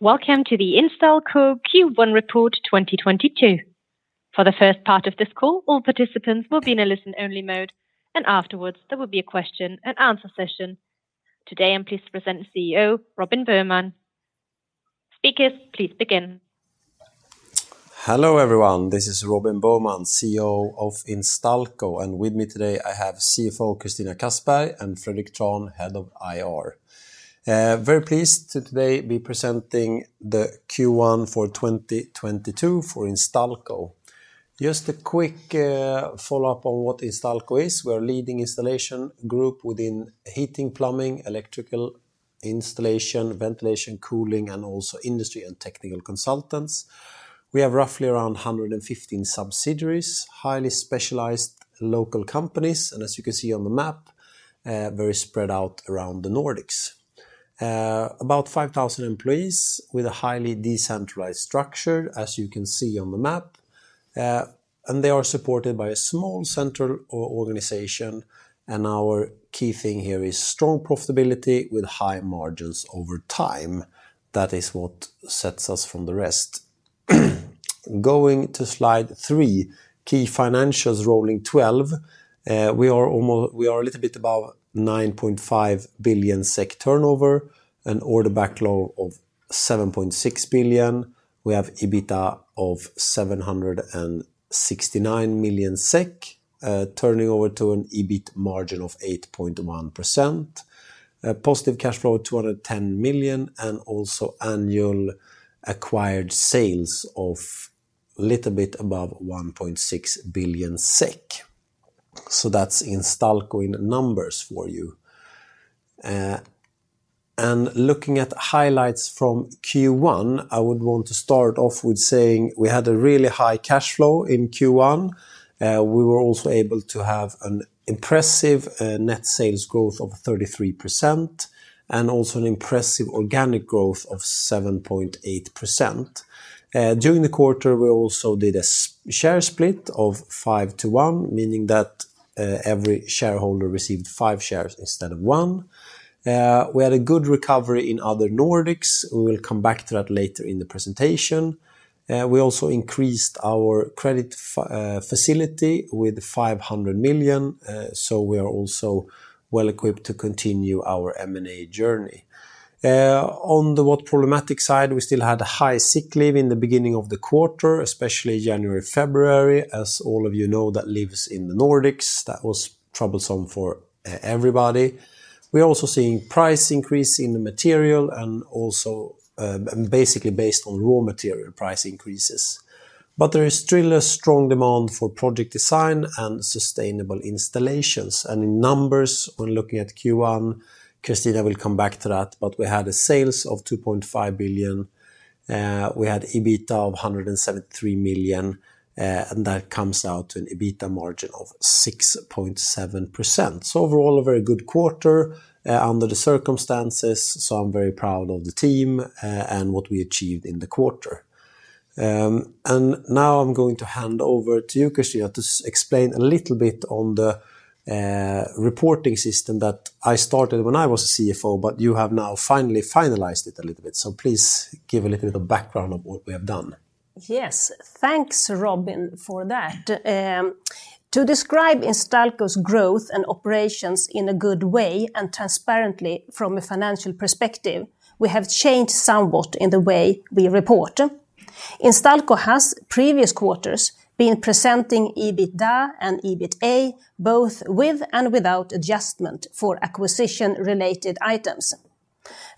Welcome to the Instalco Q1 Report 2022. For the first part of this call, all participants will be in a listen-only mode, and afterwards, there will be a question and answer session. Today, I'm pleased to present CEO Robin Boheman. Speakers, please begin. Hello, everyone. This is Robin Boheman, CEO of Instalco, and with me today, I have CFO Christina Kassberg and Fredrik Trahn, Head of IR. Very pleased to today be presenting the Q1 for 2022 for Instalco. Just a quick follow-up on what Instalco is. We're a leading installation group within heating, plumbing, electrical installation, ventilation, cooling, and also industry and technical consultants. We have roughly around 115 subsidiaries, highly specialized local companies, and as you can see on the map, very spread out around the Nordics. About 5,000 employees with a highly decentralized structure, as you can see on the map, and they are supported by a small central organization, and our key thing here is strong profitability with high margins over time. That is what sets us apart from the rest. Going to slide three, key financials rolling 12. We are a little bit above 9.5 billion SEK turnover and order backlog of 7.6 billion. We have EBITDA of 769 million SEK, turning over to an EBIT margin of 8.1%. Positive cash flow, 210 million, and also annual acquired sales of a little bit above 1.6 billion SEK. That's Instalco in numbers for you. Looking at highlights from Q1, I would want to start off with saying we had a really high cash flow in Q1. We were also able to have an impressive, net sales growth of 33% and also an impressive organic growth of 7.8%. During the quarter, we also did a share split of five to one, meaning that every shareholder received five shares instead of one. We had a good recovery in other Nordics. We will come back to that later in the presentation. We also increased our credit facility with 500 million, so we are also well equipped to continue our M&A journey. On the problematic side, we still had high sick leave in the beginning of the quarter, especially January, February. As all of you know that lives in the Nordics, that was troublesome for everybody. We're also seeing price increase in the material and also, basically based on raw material price increases. There is still a strong demand for project design and sustainable installations. In numbers, when looking at Q1, Christina will come back to that, but we had sales of 2.5 billion. We had EBITDA of 173 million, and that comes out to an EBITDA margin of 6.7%. Overall, a very good quarter under the circumstances, so I'm very proud of the team and what we achieved in the quarter. Now I'm going to hand over to you, Christina, to explain a little bit on the reporting system that I started when I was CFO, but you have now finally finalized it a little bit. Please give a little bit of background of what we have done. Yes. Thanks, Robin, for that. To describe Instalco's growth and operations in a good way and transparently from a financial perspective, we have changed somewhat in the way we report. Instalco has previous quarters been presenting EBITDA and EBITA both with and without adjustment for acquisition related items.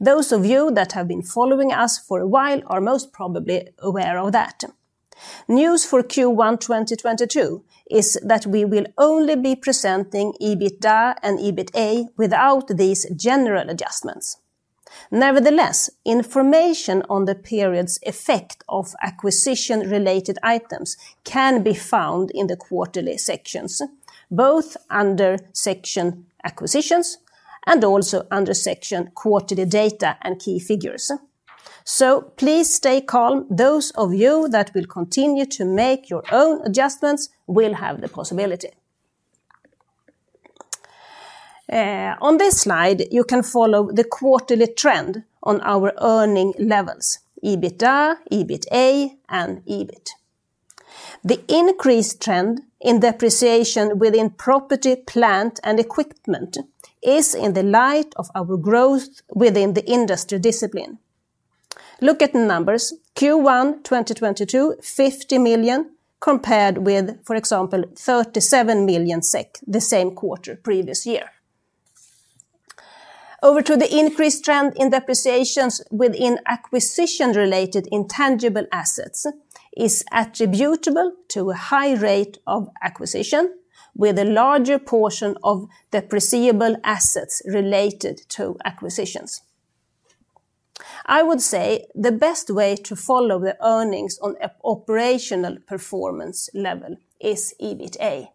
Those of you that have been following us for a while are most probably aware of that. News for Q1 2022 is that we will only be presenting EBITDA and EBITA without these general adjustments. Nevertheless, information on the period's effect of acquisition related items can be found in the quarterly sections, both under section Acquisitions and also under section Quarterly Data and Key Figures. Please stay calm. Those of you that will continue to make your own adjustments will have the possibility. On this slide, you can follow the quarterly trend on our earnings levels, EBITDA, EBITA, and EBIT. The increased trend in depreciation within property, plant, and equipment is in the light of our growth within the industry discipline. Look at numbers. Q1 2022, 50 million compared with, for example, 37 million SEK the same quarter previous year. Over to the increased trend in depreciations within acquisition related intangible assets is attributable to a high rate of acquisition with a larger portion of the depreciable assets related to acquisitions. I would say the best way to follow the earnings on operational performance level is EBITA.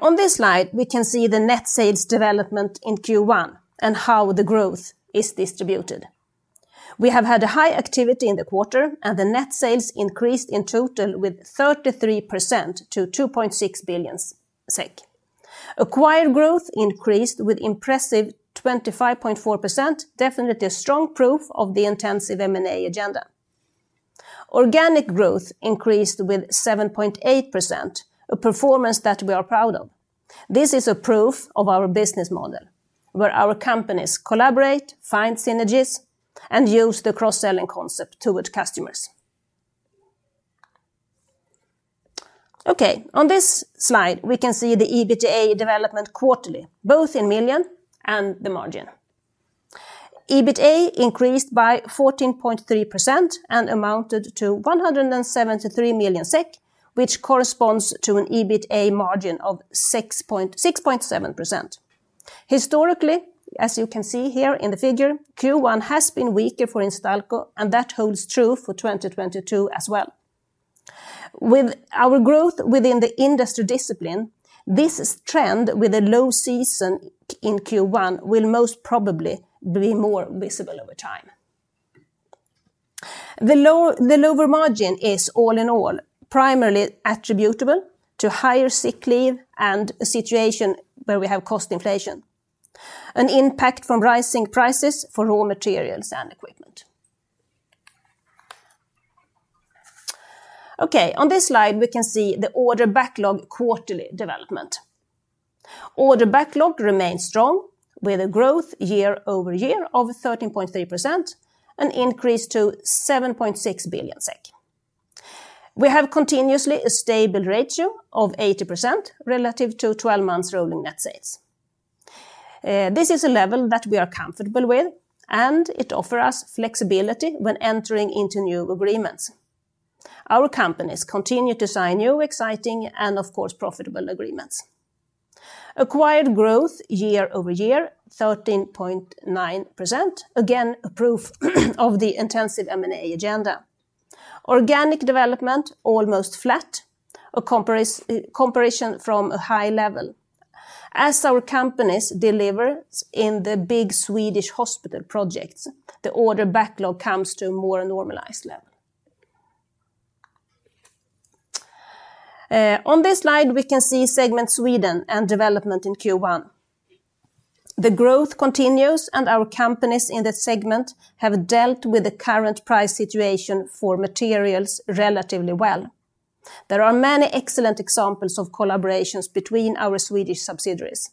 On this slide, we can see the net sales development in Q1 and how the growth is distributed. We have had a high activity in the quarter, and the net sales increased in total with 33% to 2.6 billion SEK. Acquired growth increased with impressive 25.4%, definitely a strong proof of the intensive M&A agenda. Organic growth increased with 7.8%, a performance that we are proud of. This is a proof of our business model, where our companies collaborate, find synergies, and use the cross-selling concept toward customers. Okay, on this slide, we can see the EBITDA development quarterly, both in million and the margin. EBITA increased by 14.3% and amounted to 173 million SEK, which corresponds to an EBITA margin of 6.7%. Historically, as you can see here in the figure, Q1 has been weaker for Instalco, and that holds true for 2022 as well. With our growth within the industry discipline, this trend with a low season in Q1 will most probably be more visible over time. The lower margin is all in all primarily attributable to higher sick leave and a situation where we have cost inflation, an impact from rising prices for raw materials and equipment. Okay, on this slide, we can see the order backlog quarterly development. Order backlog remains strong with a growth year-over-year of 13.3% and increase to 7.6 billion SEK. We have continuously a stable ratio of 80% relative to twelve months rolling net sales. This is a level that we are comfortable with, and it offer us flexibility when entering into new agreements. Our companies continue to sign new, exciting, and of course, profitable agreements. Acquired growth year-over-year, 13.9%, again, a proof of the intensive M&A agenda. Organic development almost flat, a comparison from a high level. As our companies deliver in the big Swedish hospital projects, the order backlog comes to a more normalized level. On this slide, we can see segment Sweden and development in Q1. The growth continues, and our companies in this segment have dealt with the current price situation for materials relatively well. There are many excellent examples of collaborations between our Swedish subsidiaries.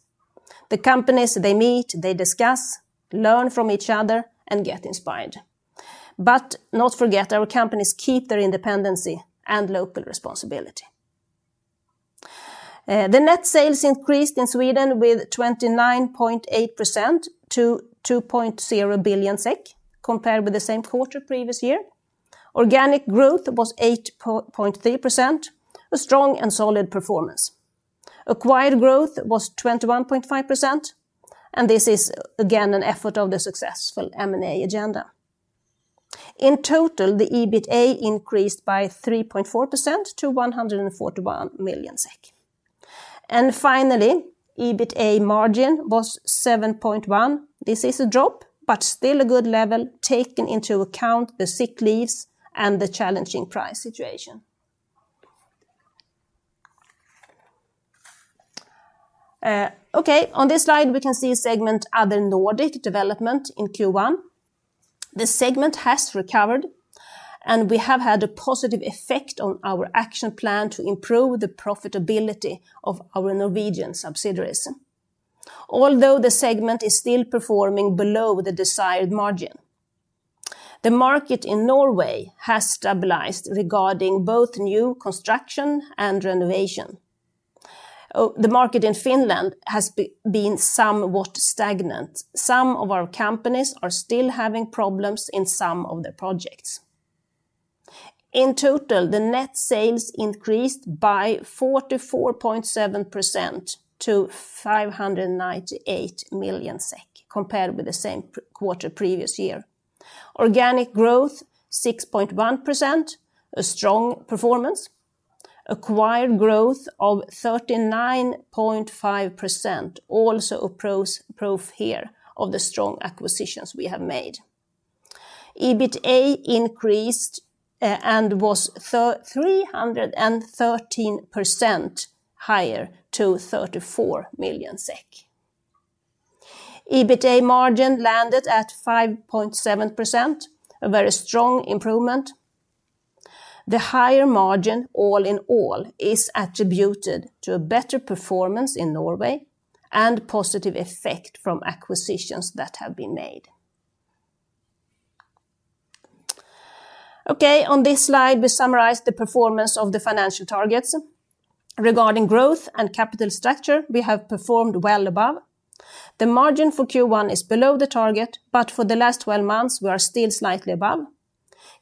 The companies, they meet, they discuss, learn from each other, and get inspired. Do not forget, our companies keep their independence and local responsibility. The net sales increased in Sweden with 29.8% to 2.0 billion SEK compared with the same quarter previous year. Organic growth was 8.3%, a strong and solid performance. Acquired growth was 21.5%, and this is again the effect of the successful M&A agenda. In total, the EBITA increased by 3.4% to 141 million SEK. Finally, EBITA margin was 7.1%. This is a drop, but still a good level taken into account the sick leaves and the challenging price situation. Okay, on this slide, we can see segment Other Nordic development in Q1. The segment has recovered, and we have had a positive effect on our action plan to improve the profitability of our Norwegian subsidiaries, although the segment is still performing below the desired margin. The market in Norway has stabilized regarding both new construction and renovation. The market in Finland has been somewhat stagnant. Some of our companies are still having problems in some of the projects. In total, the net sales increased by 44.7% to 598 million SEK compared with the same quarter previous year. Organic growth, 6.1%, a strong performance. Acquired growth of 39.5%, also a proof here of the strong acquisitions we have made. EBITA increased, and was 313% higher to SEK 34 million. EBITA margin landed at 5.7%, a very strong improvement. The higher margin all in all is attributed to a better performance in Norway and positive effect from acquisitions that have been made. Okay, on this slide, we summarize the performance of the financial targets. Regarding growth and capital structure, we have performed well above. The margin for Q1 is below the target, but for the last twelve months, we are still slightly above.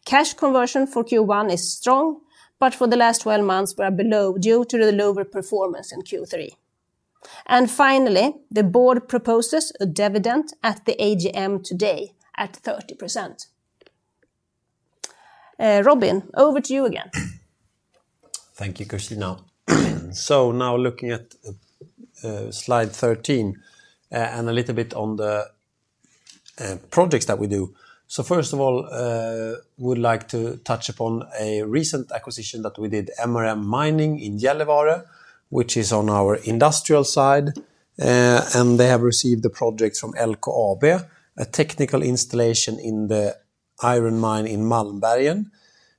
Cash conversion for Q1 is strong, but for the last 12 months, we are below due to the lower performance in Q3. Finally, the board proposes a dividend at the AGM today at 30%. Robin, over to you again. Thank you, Christina. Now looking at slide 13, and a little bit on the projects that we do. First of all, would like to touch upon a recent acquisition that we did, MRM Mining AB in Gällivare, which is on our industrial side. They have received the project from LKAB, a technical installation in the iron mine in Malmberget.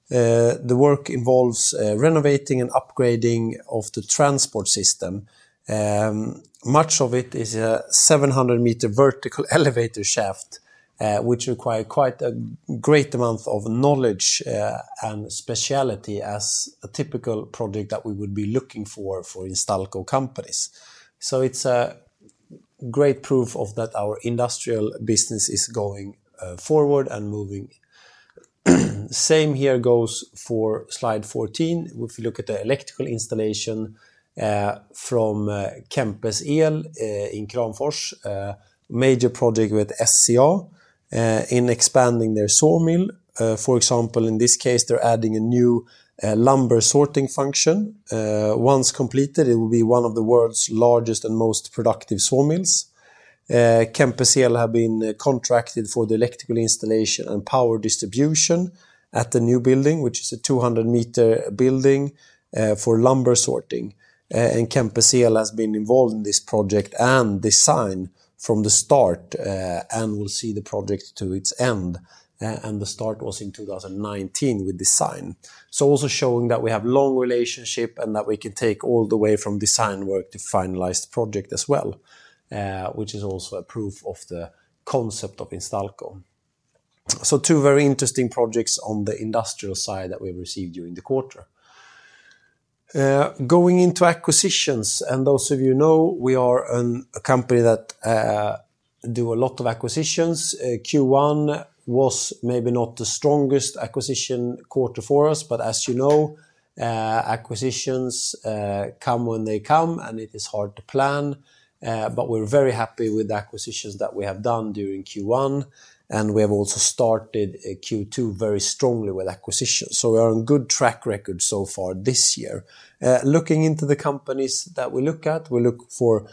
The work involves renovating and upgrading of the transport system. Much of it is a 700-meter vertical elevator shaft, which require quite a great amount of knowledge and specialty as a typical project that we would be looking for for Instalco companies. It's a great proof of that our industrial business is going forward and moving. Same here goes for slide 14. If you look at the electrical installation from Kempes El in Kramfors, major project with SCA in expanding their sawmill. For example, in this case, they're adding a new lumber sorting function. Once completed, it will be one of the world's largest and most productive sawmills. Kempes El have been contracted for the electrical installation and power distribution at the new building, which is a 200-meter building for lumber sorting. Kempes El has been involved in this project and design from the start and will see the project to its end. The start was in 2019 with design. Also showing that we have long relationship and that we can take all the way from design work to finalize the project as well, which is also a proof of the concept of Instalco. Two very interesting projects on the industrial side that we received during the quarter. Going into acquisitions, and those of you know, we are a company that do a lot of acquisitions. Q1 was maybe not the strongest acquisition quarter for us, but as you know, acquisitions come when they come, and it is hard to plan. We're very happy with the acquisitions that we have done during Q1, and we have also started Q2 very strongly with acquisitions. We are on good track record so far this year. Looking into the companies that we look at, we look for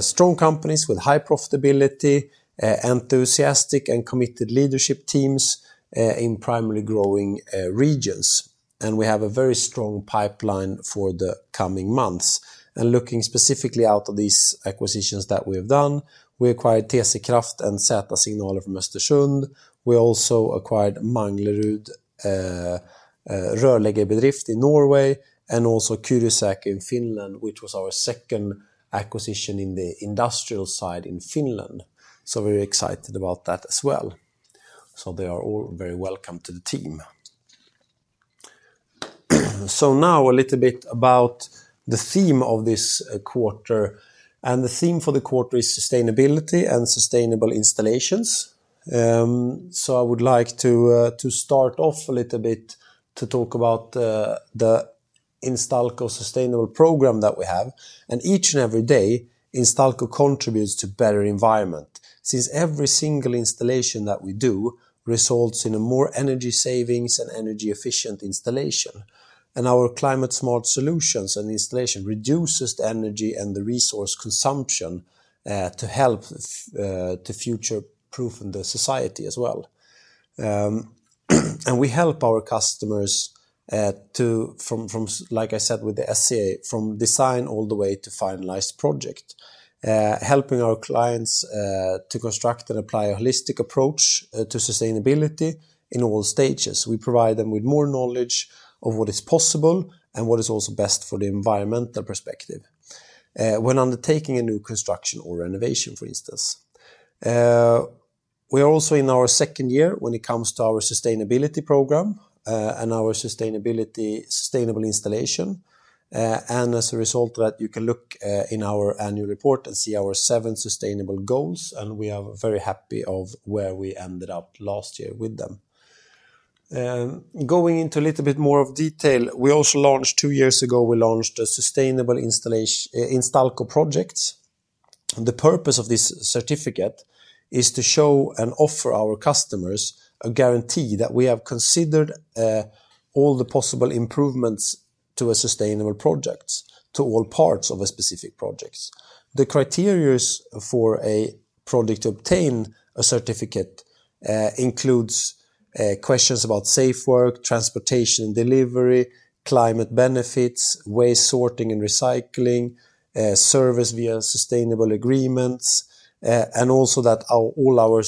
strong companies with high profitability, enthusiastic and committed leadership teams in primarily growing regions. We have a very strong pipeline for the coming months. Looking specifically out of these acquisitions that we have done, we acquired TC-Kraft and Z-Signaler from Östersund. We also acquired Manglerud Rørleggerbedrift in Norway, and Kyrön Sähkö in Finland, which was our second acquisition in the industrial side in Finland. Very excited about that as well. They are all very welcome to the team. Now a little bit about the theme of this quarter, and the theme for the quarter is sustainability and sustainable installations. I would like to start off a little bit to talk about the Instalco sustainable program that we have. Each and every day, Instalco contributes to better environment since every single installation that we do results in a more energy savings and energy efficient installation. Our climate smart solutions and installation reduces the energy and the resource consumption to help the future-proof in the society as well. We help our customers from, like I said, with the SCA, from design all the way to finalized project, helping our clients to construct and apply a holistic approach to sustainability in all stages. We provide them with more knowledge of what is possible and what is also best for the environmental perspective when undertaking a new construction or renovation, for instance. We are also in our second year when it comes to our sustainability program and our sustainable installation. As a result that you can look in our annual report and see our seven sustainable goals, and we are very happy of where we ended up last year with them. Going into a little bit more of detail, we also launched two years ago a Sustainable Instalco projects. The purpose of this certificate is to show and offer our customers a guarantee that we have considered all the possible improvements to a sustainable projects, to all parts of a specific projects. The criteria for a project to obtain a certificate includes questions about safe work, transportation and delivery, climate benefits, waste sorting and recycling, service via sustainable agreements, and also that our all our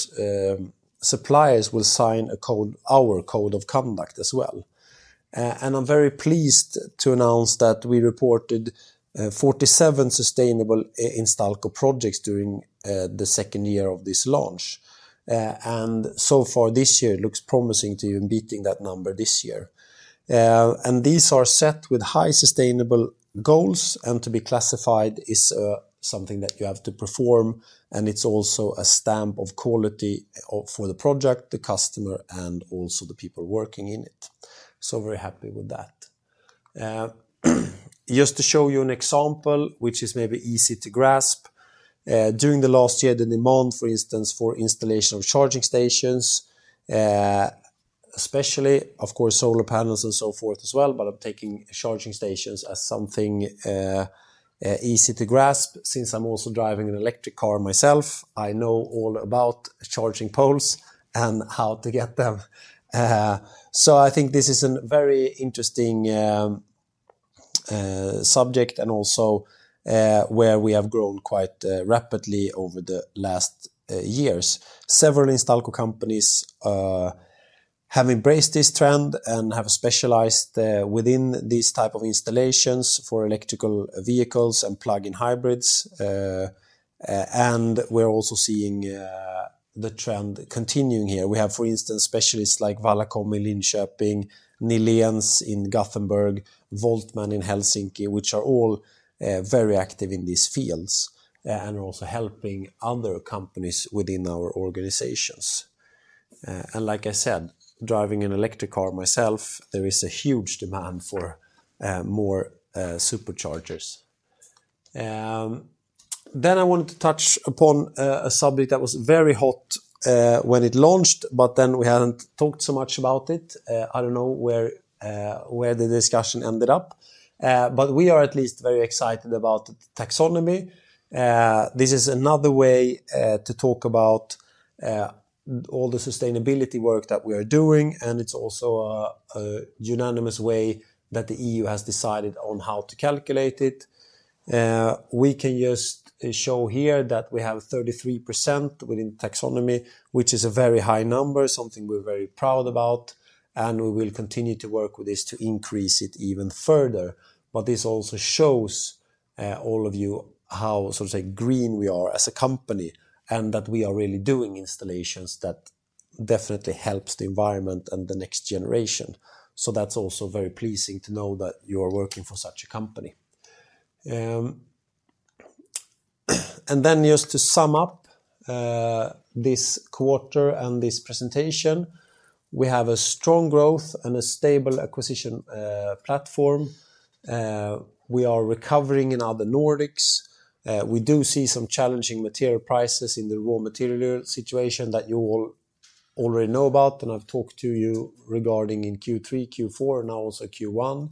suppliers will sign a code, our code of conduct as well. I'm very pleased to announce that we reported 47 sustainable Instalco projects during the second year of this launch. So far this year, it looks promising to even beating that number this year. These are set with high sustainable goals, and to be classified is something that you have to perform, and it's also a stamp of quality for the project, the customer, and also the people working in it. Very happy with that. Just to show you an example which is maybe easy to grasp. During the last year, the demand, for instance, for installation of charging stations, especially of course solar panels and so forth as well, but I'm taking charging stations as something easy to grasp since I'm also driving an electric car myself. I know all about charging poles and how to get them. I think this is a very interesting subject and also where we have grown quite rapidly over the last years. Several Instalco companies have embraced this trend and have specialized within this type of installations for electric vehicles and plug-in hybrids. We're also seeing the trend continuing here. We have, for instance, specialists like Vallacom in Linköping, Nihlén in Gothenburg, Voltmen in Helsinki, which are all very active in these fields and are also helping other companies within our organizations. Like I said, driving an electric car myself, there is a huge demand for more superchargers. I wanted to touch upon a subject that was very hot when it launched, but then we hadn't talked so much about it. I don't know where the discussion ended up. We are at least very excited about Taxonomy. This is another way to talk about all the sustainability work that we are doing, and it's also a unanimous way that the EU has decided on how to calculate it. We can just show here that we have 33% within Taxonomy, which is a very high number, something we're very proud about, and we will continue to work with this to increase it even further. This also shows all of you how, sort of say, green we are as a company and that we are really doing installations that definitely helps the environment and the next generation. That's also very pleasing to know that you are working for such a company. Just to sum up this quarter and this presentation, we have a strong growth and a stable acquisition platform. We are recovering in other Nordics. We do see some challenging material prices in the raw material situation that you all already know about, and I've talked to you regarding in Q3, Q4, now also Q1.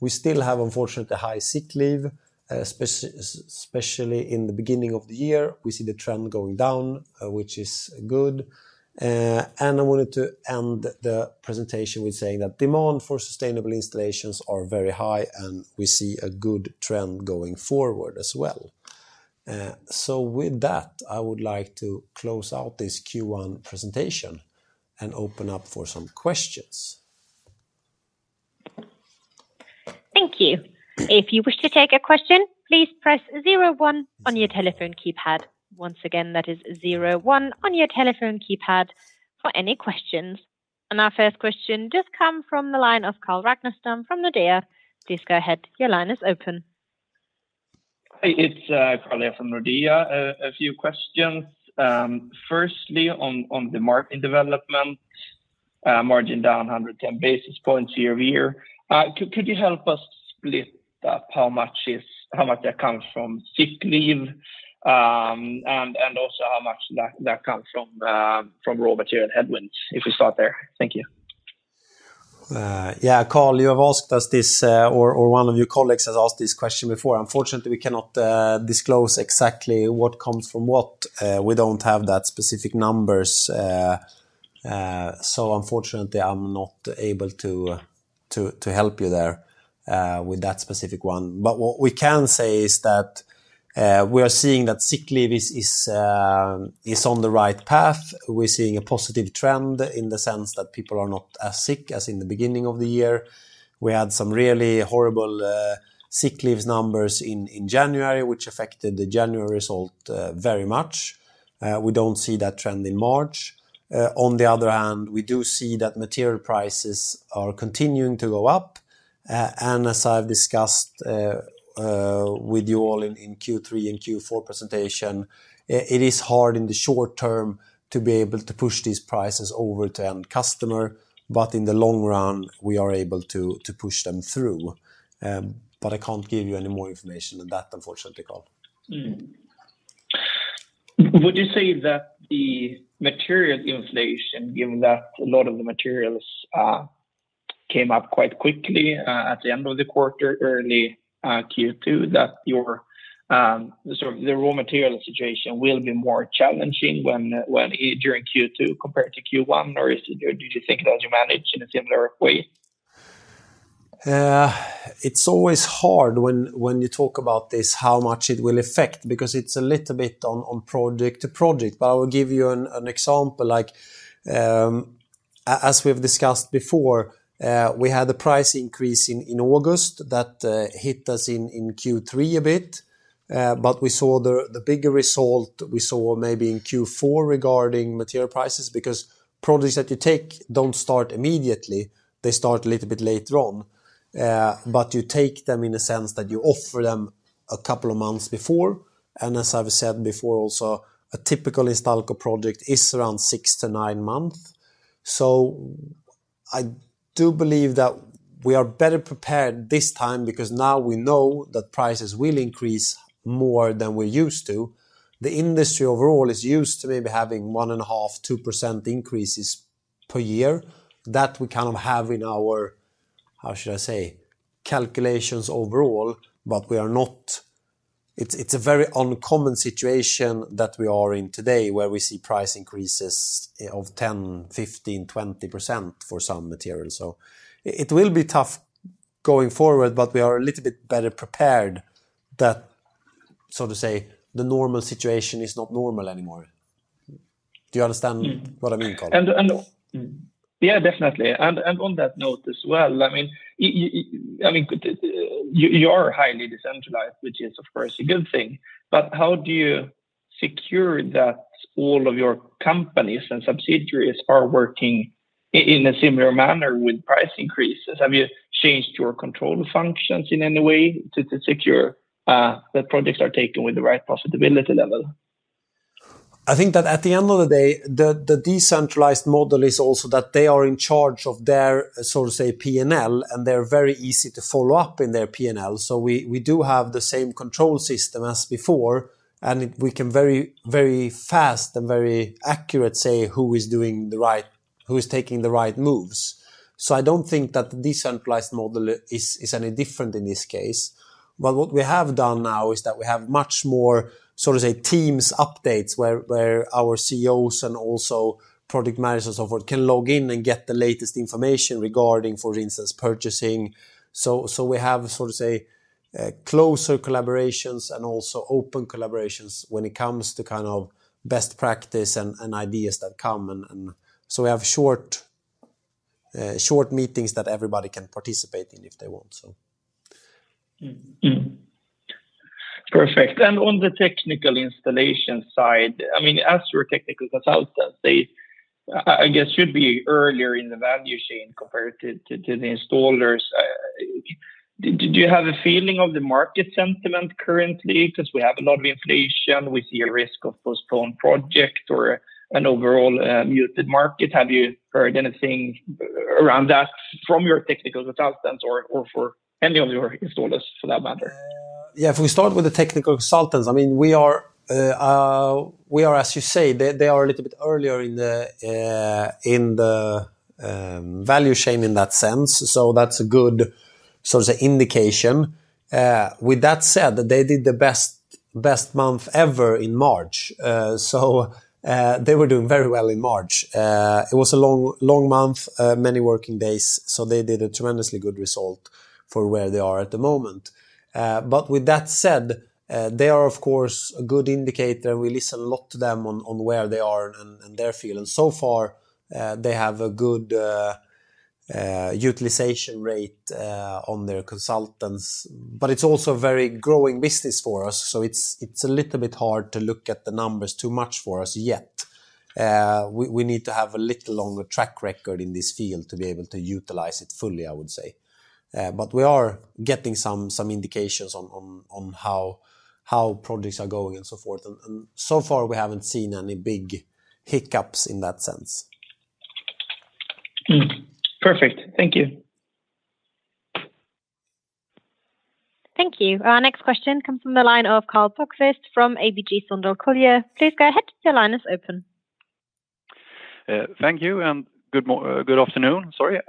We still have, unfortunately, high sick leave, especially in the beginning of the year. We see the trend going down, which is good. I wanted to end the presentation with saying that demand for sustainable installations are very high, and we see a good trend going forward as well. With that, I would like to close out this Q1 presentation and open up for some questions. Thank you. If you wish to take a question, please press zero one on your telephone keypad. Once again, that is zero one on your telephone keypad for any questions. Our first question just come from the line of Carl Ragnerstam from Nordea. Please go ahead. Your line is open. It's Carl here from Nordea. A few questions. Firstly on the margin development, margin down 110 basis points year-over-year. Could you help us split up how much that comes from sick leave, and also how much that comes from raw material headwinds if we start there? Thank you. Yeah, Carl, you have asked us this, or one of your colleagues has asked this question before. Unfortunately, we cannot disclose exactly what comes from what. We don't have that specific numbers. Unfortunately, I'm not able to help you there with that specific one. What we can say is that we are seeing that sick leave is on the right path. We're seeing a positive trend in the sense that people are not as sick as in the beginning of the year. We had some really horrible sick leaves numbers in January, which affected the January result very much. We don't see that trend in March. On the other hand, we do see that material prices are continuing to go up. As I've discussed with you all in Q3 and Q4 presentation, it is hard in the short term to be able to push these prices over to end customer, but in the long run, we are able to push them through. I can't give you any more information than that, unfortunately, Carl. Would you say that the material inflation, given that a lot of the materials came up quite quickly at the end of the quarter, early Q2, that your sort of the raw material situation will be more challenging when during Q2 compared to Q1, or is it? Do you think that you manage in a similar way? It's always hard when you talk about this, how much it will affect because it's a little bit on project to project. I will give you an example like, as we've discussed before, we had a price increase in August that hit us in Q3 a bit. We saw the bigger result maybe in Q4 regarding material prices because projects that you take don't start immediately, they start a little bit later on. You take them in a sense that you offer them a couple of months before. As I've said before also, a typical Instalco project is around six to nine months. I do believe that we are better prepared this time because now we know that prices will increase more than we're used to. The industry overall is used to maybe having 1.5%, 2% increases per year that we kind of have in our, how should I say, calculations overall. It's a very uncommon situation that we are in today where we see price increases of 10%, 15%, 20% for some materials. It will be tough going forward, but we are a little bit better prepared that so to say the normal situation is not normal anymore. Do you understand what I mean, Carl? Yeah, definitely. On that note as well, I mean, you are highly decentralized, which is of course a good thing. But how do you secure that all of your companies and subsidiaries are working in a similar manner with price increases? Have you changed your control functions in any way to secure that projects are taken with the right profitability level? I think that at the end of the day, the decentralized model is also that they are in charge of their, so to say, P&L, and they're very easy to follow up in their P&L. We do have the same control system as before, and we can very, very fast and very accurate say who is taking the right moves. I don't think that the decentralized model is any different in this case. What we have done now is that we have much more, so to say, teams updates where our CEOs and also product managers and so forth can log in and get the latest information regarding, for instance, purchasing. We have, so to say, closer collaborations and also open collaborations when it comes to kind of best practice and ideas that come. We have short meetings that everybody can participate in if they want, so. Perfect. On the technical installation side, I mean, as your technical consultants, they I guess should be earlier in the value chain compared to the installers. Did you have a feeling of the market sentiment currently? Because we have a lot of inflation, we see a risk of postponed project or an overall muted market. Have you heard anything around that from your technical consultants or for any of your installers for that matter? Yeah. If we start with the technical consultants, I mean, we are as you say, they are a little bit earlier in the value chain in that sense. That's a good so to say indication. With that said, they did the best month ever in March. They were doing very well in March. It was a long month, many working days, so they did a tremendously good result for where they are at the moment. With that said, they are of course a good indicator. We listen a lot to them on where they are and their feel. So far, they have a good utilization rate on their consultants. It's also very growing business for us, so it's a little bit hard to look at the numbers too much for us yet. We need to have a little longer track record in this field to be able to utilize it fully, I would say. We are getting some indications on how projects are going and so forth. So far we haven't seen any big hiccups in that sense. Mm-hmm. Perfect. Thank you. Thank you. Our next question comes from the line of Karl Bokvist from ABG Sundal Collier. Please go ahead. Your line is open. Thank you. Good afternoon, sorry.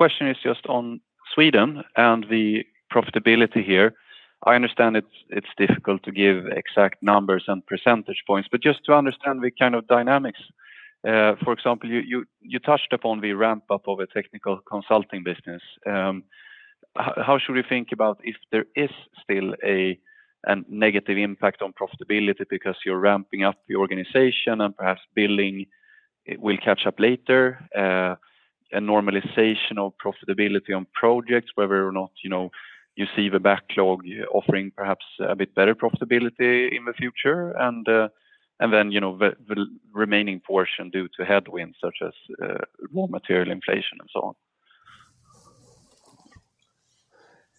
The first question is just on Sweden and the profitability here. I understand it's difficult to give exact numbers and percentage points, but just to understand the kind of dynamics, for example, you touched upon the ramp-up of a technical consulting business. How should we think about if there is still a negative impact on profitability because you're ramping up the organization and perhaps billing will catch up later? A normalization of profitability on projects, whether or not, you know, you see the backlog offering perhaps a bit better profitability in the future, and then, you know, the remaining portion due to headwinds such as raw material inflation and so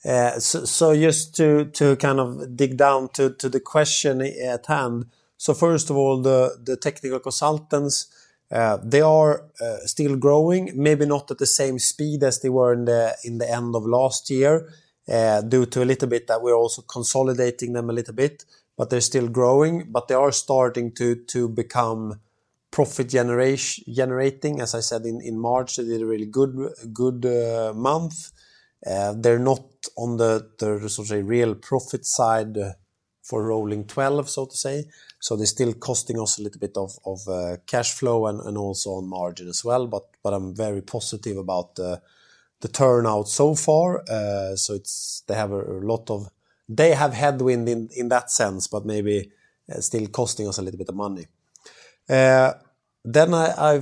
on. Just to kind of dig down to the question at hand. First of all, the technical consultants, they are still growing, maybe not at the same speed as they were in the end of last year, due to a little bit that we're also consolidating them a little bit, but they're still growing, but they are starting to become profit generating. As I said, in March, they did a really good month. They're not on the, so to say, real profit side for rolling twelve, so to say. They're still costing us a little bit of cash flow and also on margin as well. I'm very positive about the turnout so far. They have headwind in that sense, but maybe still costing us a little bit of money. I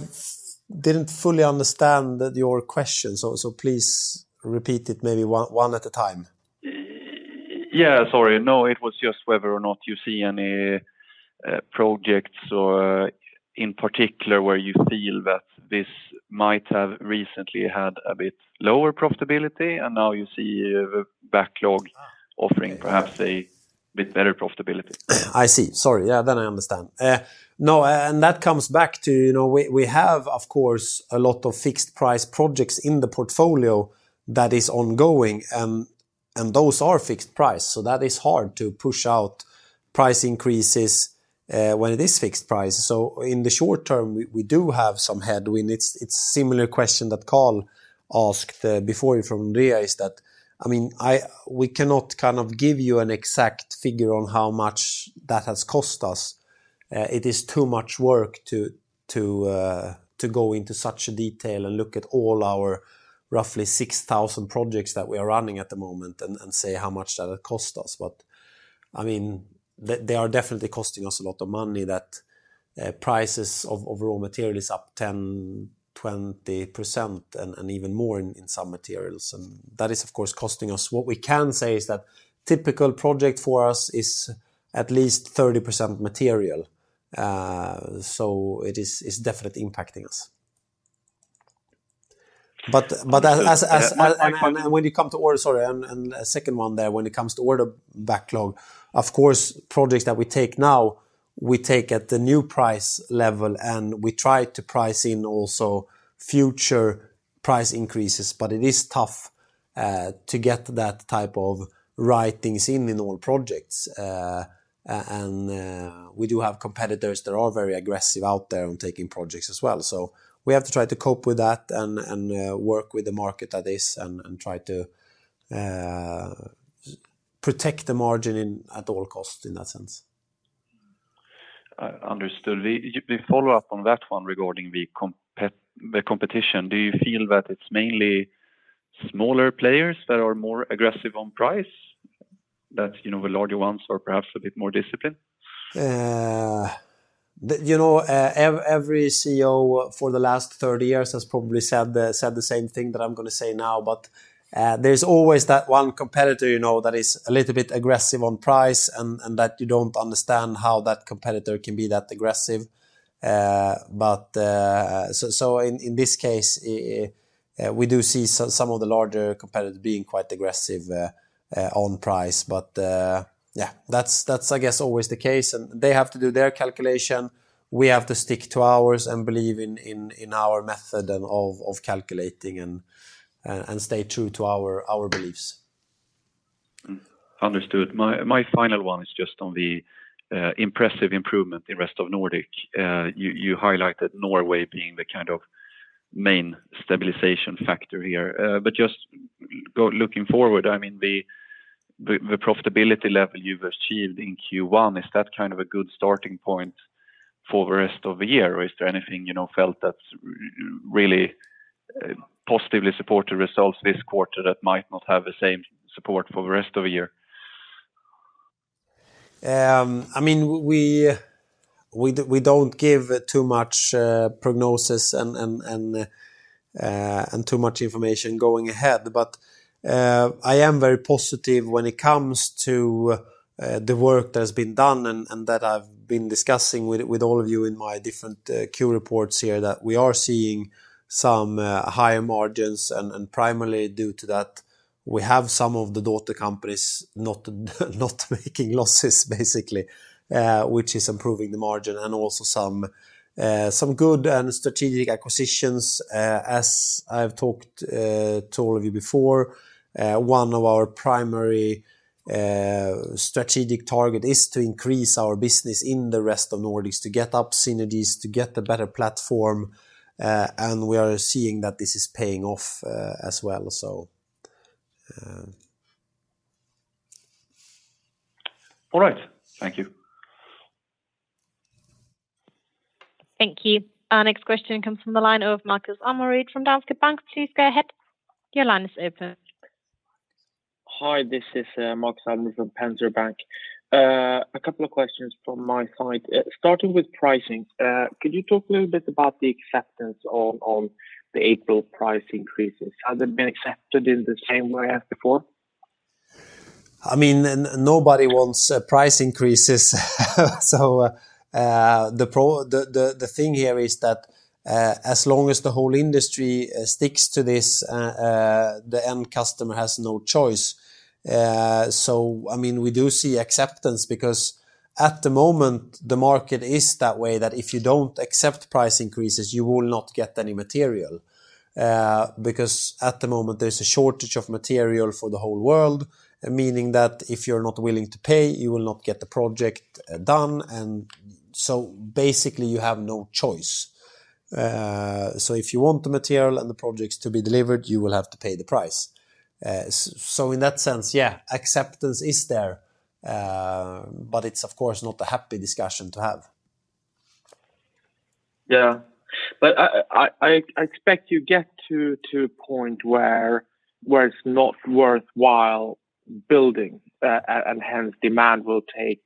didn't fully understand your question, so please repeat it maybe one at a time. Yeah, sorry. No, it was just whether or not you see any projects or in particular where you feel that this might have recently had a bit lower profitability and now you see a backlog offering perhaps a bit better profitability. I see. Sorry. Yeah. I understand. No, and that comes back to, you know, we have, of course, a lot of fixed price projects in the portfolio that is ongoing. And those are fixed price, so that is hard to push out price increases, when it is fixed price. In the short term we do have some headwind. It's similar question that Carl asked before from Nordea is that, I mean, we cannot kind of give you an exact figure on how much that has cost us. It is too much work to go into such a detail and look at all our roughly 6,000 projects that we are running at the moment and say how much that'll cost us. I mean, they are definitely costing us a lot of money that prices of raw material is up 10%-20% and even more in some materials. That is, of course, costing us. What we can say is that typical project for us is at least 30% material. So it's definitely impacting us. [CrosstalkMy, my- When it comes to order backlog, of course, projects that we take now, we take at the new price level, and we try to price in also future price increases. It is tough to get that type of pricing in all projects. We do have competitors that are very aggressive out there on taking projects as well. We have to try to cope with that and work with the market that is and try to protect the margin at all costs in that sense. Understood. We follow up on that one regarding the competition. Do you feel that it's mainly smaller players that are more aggressive on price? That, you know, the larger ones are perhaps a bit more disciplined? You know, every CEO for the last 30 years has probably said the same thing that I'm gonna say now, but there's always that one competitor, you know, that is a little bit aggressive on price and that you don't understand how that competitor can be that aggressive. In this case, we do see some of the larger competitors being quite aggressive on price. Yeah, that's, I guess, always the case, and they have to do their calculation. We have to stick to ours and believe in our method of calculating and stay true to our beliefs. Understood. My final one is just on the impressive improvement in rest of Nordic. You highlighted Norway being the kind of main stabilization factor here. Just looking forward, I mean, the profitability level you've achieved in Q1, is that kind of a good starting point for the rest of the year? Is there anything, you know, that really positively supported results this quarter that might not have the same support for the rest of the year? I mean, we don't give too much prognosis and too much information going ahead. I am very positive when it comes to the work that has been done and that I've been discussing with all of you in my different Q reports here that we are seeing some higher margins and primarily due to that, we have some of the daughter companies not making losses basically, which is improving the margin and also some good and strategic acquisitions. As I've talked to all of you before, one of our primary strategic target is to increase our business in the rest of Nordics to get up synergies, to get a better platform. We are seeing that this is paying off, as well, so. All right. Thank you. Thank you. Our next question comes from the line of Marcus Almér from Danske Bank. Please go ahead. Your line is open. Hi, this is Marcus Almér from Danske Bank. A couple of questions from my side. Starting with pricing. Could you talk a little bit about the acceptance on the April price increases? Have they been accepted in the same way as before? I mean, nobody wants price increases. The thing here is that as long as the whole industry sticks to this, the end customer has no choice. I mean, we do see acceptance because at the moment, the market is that way, that if you don't accept price increases, you will not get any material because at the moment there's a shortage of material for the whole world, meaning that if you're not willing to pay, you will not get the project done. Basically, you have no choice. If you want the material and the projects to be delivered, you will have to pay the price. In that sense, yeah, acceptance is there, but it's of course not a happy discussion to have. I expect you get to a point where it's not worthwhile building, and hence demand, I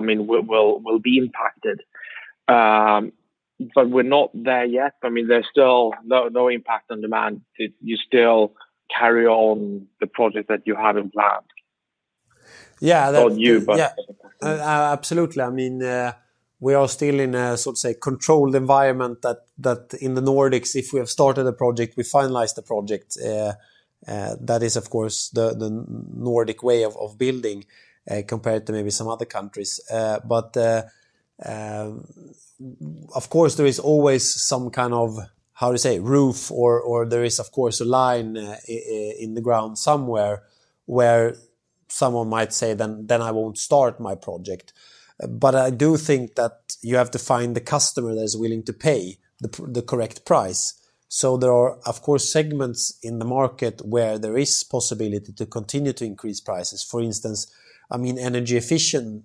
mean, will be impacted. We're not there yet. I mean, there's still no impact on demand. You still carry on the project that you have in plan. Yeah. Not you, but- Yeah. Absolutely. I mean, we are still in a sort of say controlled environment that in the Nordics, if we have started a project, we finalize the project. That is of course the Nordic way of building compared to maybe some other countries. Of course, there is always some kind of how to say roof or there is of course a line in the ground somewhere where someone might say, "Then I won't start my project." I do think that you have to find the customer that is willing to pay the correct price. There are of course segments in the market where there is possibility to continue to increase prices. For instance, I mean, energy efficient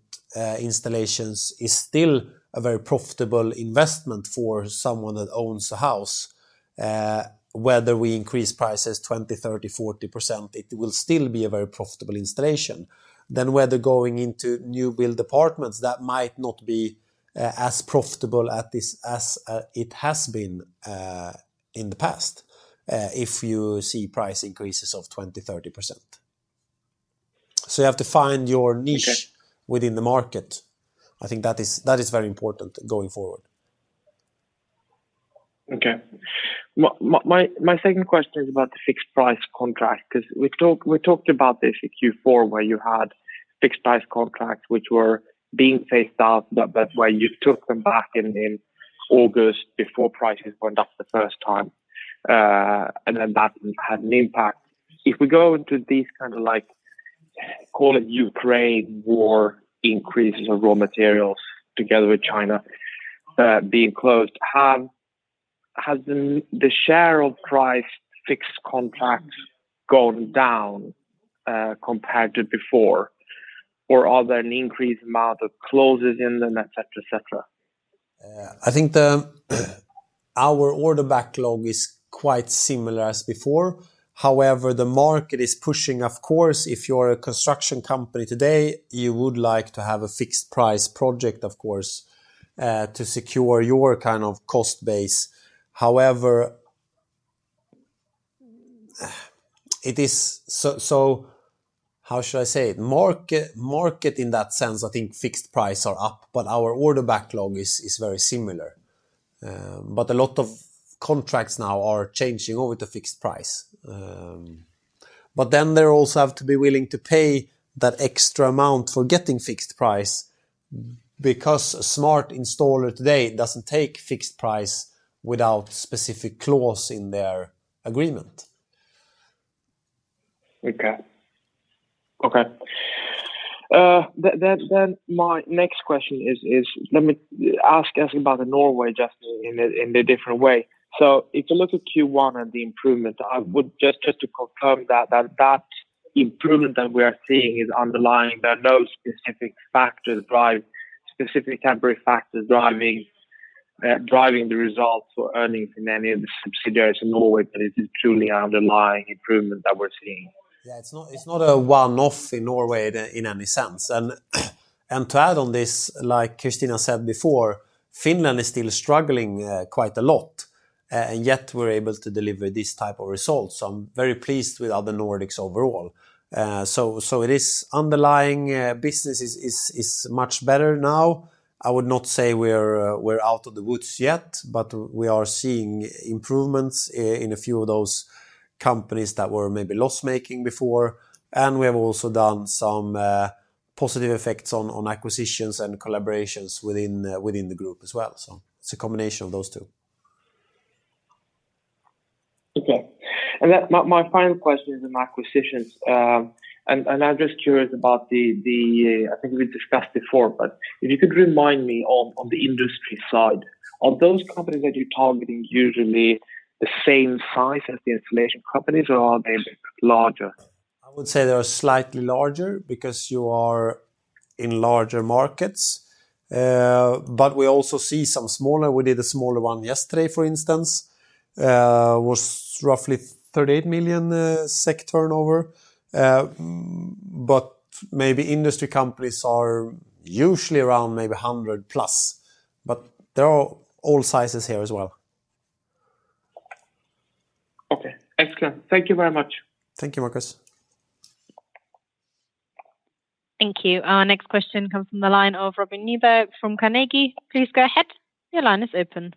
installations is still a very profitable investment for someone that owns a house. Whether we increase prices 20%, 30%, 40%, it will still be a very profitable installation. Whether going into new build apartments, that might not be as profitable at this as it has been in the past if you see price increases of 20%, 30%. You have to find your niche. Okay within the market. I think that is very important going forward. Okay. My second question is about the fixed price contract. We talked about this in Q4 where you had fixed price contracts, which were being phased out, but where you took them back in August before prices went up the first time, and then that had an impact. If we go into these kind of like, call it Ukraine war increases of raw materials together with China being closed, has the share of price fixed contracts gone down compared to before? Are there an increased amount of clauses in them, et cetera? I think our order backlog is quite similar as before. However, the market is pushing. Of course, if you're a construction company today, you would like to have a fixed price project, of course, to secure your kind of cost base. However, it is so how should I say it? Market in that sense, I think fixed price are up, but our order backlog is very similar. A lot of contracts now are changing over to fixed price. They also have to be willing to pay that extra amount for getting fixed price because a smart installer today doesn't take fixed price without specific clause in their agreement. Okay. My next question is, let me ask us about the Norway just in a different way. If you look at Q1 and the improvement, I would just to confirm that improvement that we are seeing is underlying. There are no specific temporary factors driving the results or earnings in any of the subsidiaries in Norway, but it is truly underlying improvement that we're seeing? Yeah. It's not a one-off in Norway in any sense. To add on this, like Christina said before, Finland is still struggling quite a lot, and yet we're able to deliver this type of results. I'm very pleased with other Nordics overall. It is underlying business is much better now. I would not say we're out of the woods yet, but we are seeing improvements in a few of those companies that were maybe loss-making before. We have also done some positive effects on acquisitions and collaborations within the group as well. It's a combination of those two. Okay. My final question is on acquisitions. I'm just curious about the I think we discussed before, but if you could remind me on the industry side, are those companies that you're targeting usually the same size as the installation companies, or are they larger? I would say they are slightly larger because you are in larger markets. We also see some smaller. We did a smaller one yesterday, for instance, was roughly SEK 38 million turnover. Maybe industry companies are usually around maybe 100 plus, but there are all sizes here as well. Okay. Excellent. Thank you very much. Thank you, Marcus. Thank you. Our next question comes from the line of Robin Nyberg from Carnegie. Please go ahead. Your line is open.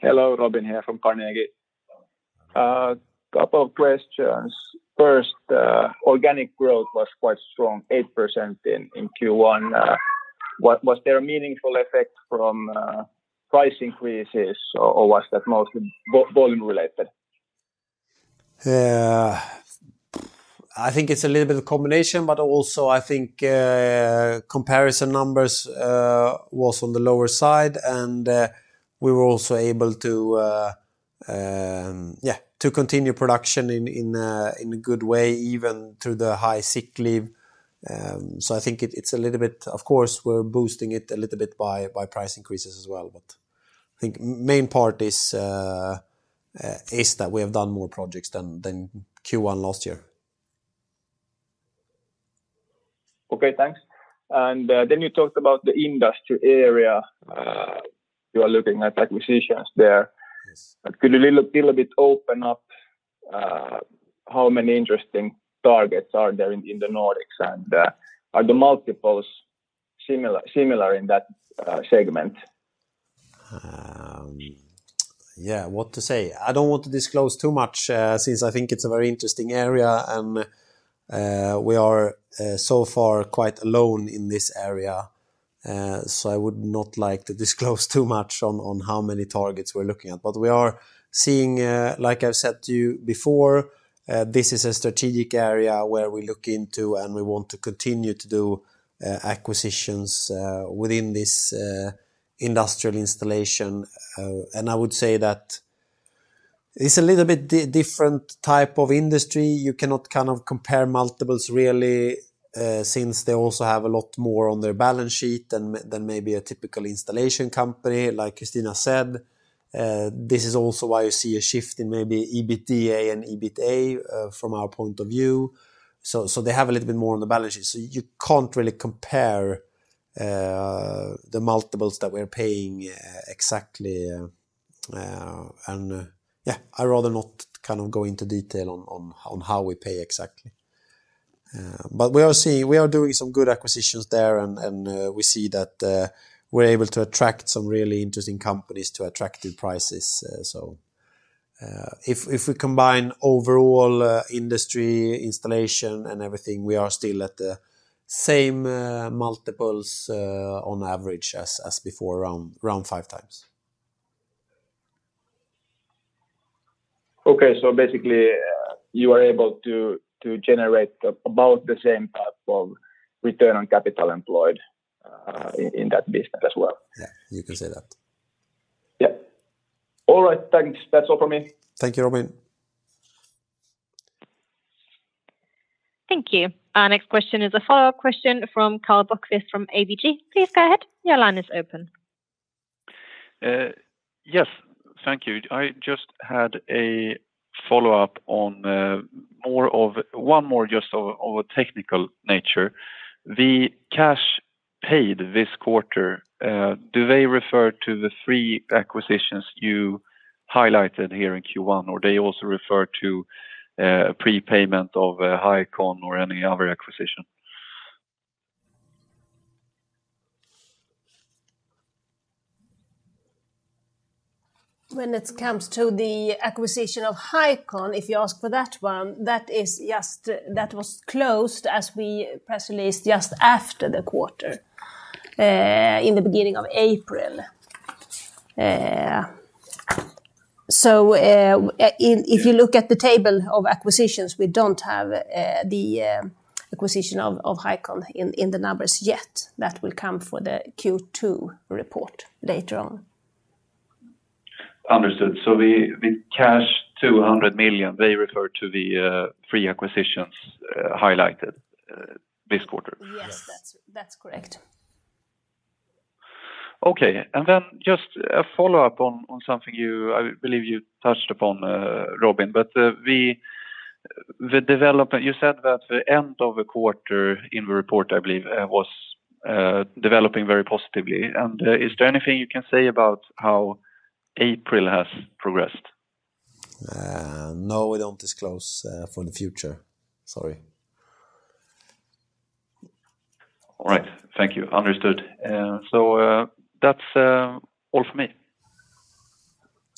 Hello, Robin here from Carnegie. Couple of questions. First, organic growth was quite strong, 8% in Q1. Was there a meaningful effect from price increases or was that mostly volume related? I think it's a little bit of a combination, but also I think comparison numbers was on the lower side and we were also able to to continue production in a good way, even through the high sick leave. I think it it's a little bit of course we're boosting it a little bit by price increases as well. I think main part is that we have done more projects than Q1 last year. Okay, thanks. You talked about the industry area. You are looking at acquisitions there. Yes. Could you a little bit open up how many interesting targets are there in the Nordics? Are the multiples similar in that segment? Yeah, what to say? I don't want to disclose too much, since I think it's a very interesting area and we are so far quite alone in this area. I would not like to disclose too much on how many targets we're looking at. We are seeing, like I've said to you before, this is a strategic area where we look into, and we want to continue to do acquisitions within this industrial installation. I would say that it's a little bit different type of industry. You cannot kind of compare multiples really, since they also have a lot more on their balance sheet than maybe a typical installation company, like Christina said. This is also why you see a shift in maybe EBITDA and EBITA from our point of view. They have a little bit more on the balance sheet, so you can't really compare the multiples that we're paying exactly. Yeah, I'd rather not kind of go into detail on how we pay exactly. We are doing some good acquisitions there and we see that we're able to attract some really interesting companies to attractive prices. If we combine overall industry installation and everything, we are still at the same multiples on average as before, around 5x. Basically, you are able to generate about the same path of return on capital employed in that business as well? Yeah, you can say that. Yeah. All right, thanks. That's all from me. Thank you, Robin. Thank you. Our next question is a follow-up question from Karl Bokvist from ABG. Please go ahead. Your line is open. Yes. Thank you. I just had a follow-up. One more just of a technical nature. The cash paid this quarter, do they refer to the three acquisitions you highlighted here in Q1, or they also refer to prepayment of Highcon or any other acquisition? When it comes to the acquisition of Highcon, if you ask for that one, that was closed as per our press release just after the quarter, in the beginning of April. So, if you look at the table of acquisitions, we don't have the acquisition of Highcon in the numbers yet. That will come for the Q2 report later on. Understood. The cash 200 million, they refer to the three acquisitions highlighted this quarter? Yes, that's correct. Okay. Just a follow-up on something I believe you touched upon, Robin. The development you said that the end of the quarter in the report, I believe, was developing very positively. Is there anything you can say about how April has progressed? No, we don't disclose for the future. Sorry. All right. Thank you. Understood. That's all from me.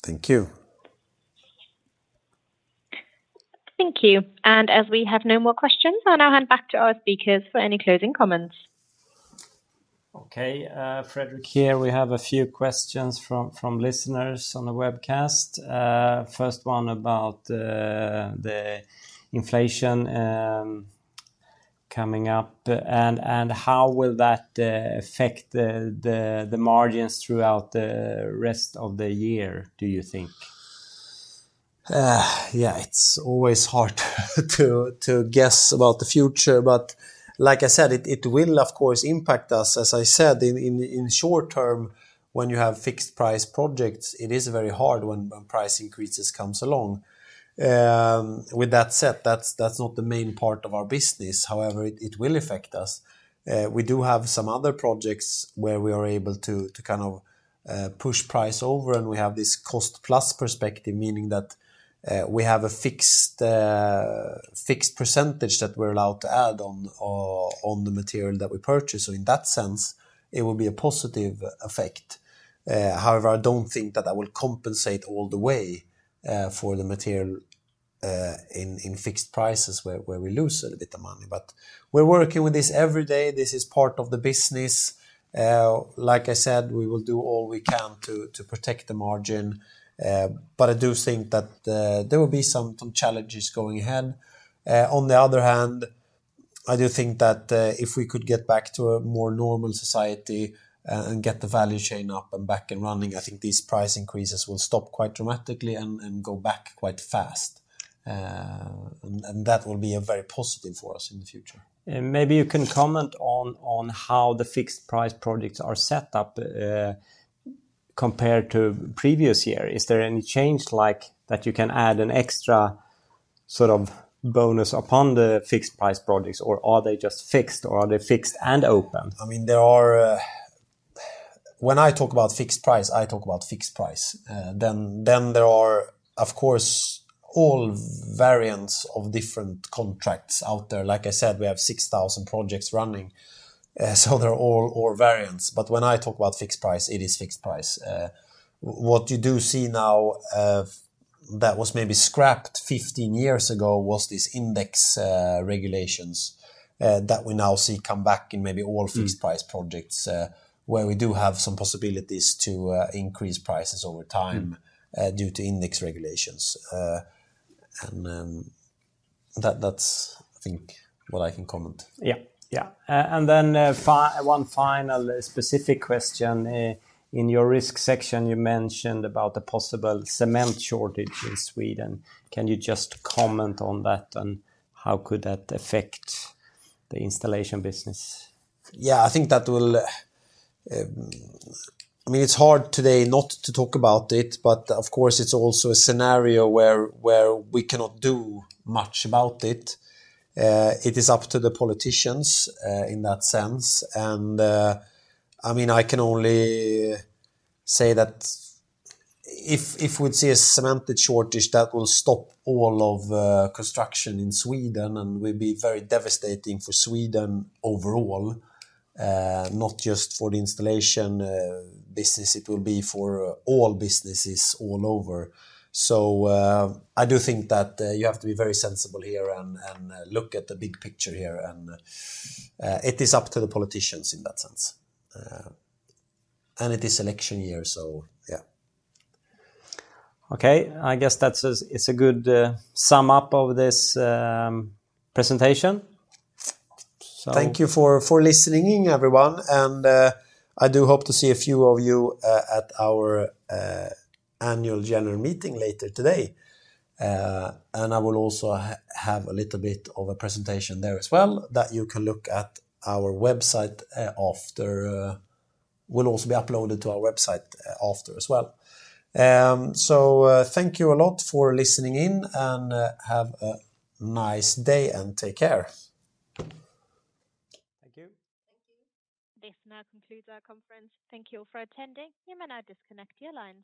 Thank you. Thank you. As we have no more questions, I'll now hand back to our speakers for any closing comments. Okay. Fredrik here. We have a few questions from listeners on the webcast. First one about the inflation coming up and how will that affect the margins throughout the rest of the year, do you think? Yeah, it's always hard to guess about the future. Like I said, it will of course impact us. As I said, in short term, when you have fixed price projects, it is very hard when price increases comes along. With that said, that's not the main part of our business. However, it will affect us. We do have some other projects where we are able to kind of push price over, and we have this cost-plus perspective, meaning that we have a fixed percentage that we're allowed to add on the material that we purchase. In that sense, it will be a positive effect. However, I don't think that will compensate all the way for the material in fixed prices where we lose a little bit of money. We're working with this every day. This is part of the business. Like I said, we will do all we can to protect the margin. I do think that there will be some challenges going ahead. On the other hand, I do think that if we could get back to a more normal society and get the value chain up and back and running, I think these price increases will stop quite dramatically and go back quite fast. That will be very positive for us in the future. Maybe you can comment on how the fixed price projects are set up. Compared to previous year, is there any change like that you can add an extra sort of bonus upon the fixed price projects or are they just fixed, or are they fixed and open? I mean, when I talk about fixed price, I talk about fixed price. Then there are, of course, all variants of different contracts out there. Like I said, we have 6,000 projects running, so they're all variants. But when I talk about fixed price, it is fixed price. What you do see now, that was maybe scrapped 15 years ago was this index regulations, that we now see come back in maybe all. Mm Fixed price projects, where we do have some possibilities to increase prices over time. Mm Due to index regulations. That's, I think, what I can comment. Yeah. Yeah. One final specific question. In your risk section, you mentioned about the possible cement shortage in Sweden. Can you just comment on that, and how could that affect the installation business? Yeah, I think that will. I mean, it's hard today not to talk about it, but of course, it's also a scenario where we cannot do much about it. It is up to the politicians in that sense. I mean, I can only say that if we'd see a cement shortage, that will stop all of construction in Sweden and will be very devastating for Sweden overall, not just for the installation business. It will be for all businesses all over. I do think that you have to be very sensible here and look at the big picture here. It is up to the politicians in that sense. It is election year, so yeah. Okay. I guess that's it. It's a good sum-up of this presentation. Thank you for listening in, everyone. I do hope to see a few of you at our annual general meeting later today. I will also have a little bit of a presentation there as well that you can look at our website after. It will also be uploaded to our website after as well. Thank you a lot for listening in, and have a nice day, and take care. Thank you. Thank you. This now concludes our conference. Thank you for attending. You may now disconnect your lines.